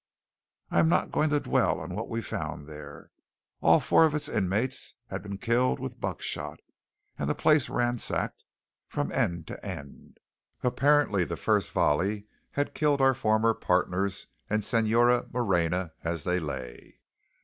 I am not going to dwell on what we found there. All four of its inmates had been killed with buckshot, and the place ransacked from end to end. Apparently the first volley had killed our former partners and Señora Moreña as they lay.